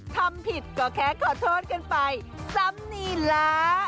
ทำผิดก็แค่ขอโทษกันไปซ้ำนี่ละ